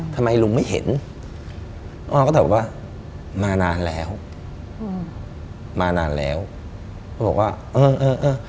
ทำไมลุงไม่เห็นอ้อก็ตอบว่ามานานแล้วอืมมานานแล้วเขาบอกว่าเออเออเออเออ